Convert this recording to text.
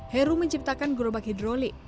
heru menciptakan gerobak hidrolik